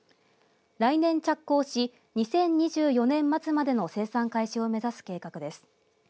来年着工し、２０２４年末までの生産開始を目指す計画です。